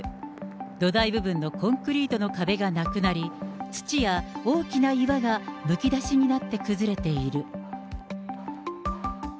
土台部分のコンクリートの壁がなくなり、土や大きな岩がむき出しになって崩れている。